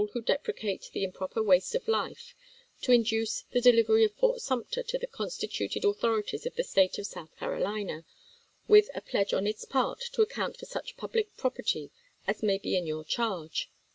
who deprecate the improper waste of life, to induce the delivery of Fort Sumter to the constituted au thorities of the State of South Carolina with a pledge on its part to account for such public prop aSi's a£~ erty as may be in your charge."